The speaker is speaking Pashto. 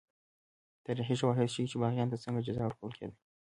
تاریخي شواهد ښيي چې باغیانو ته څنګه جزا ورکول کېده.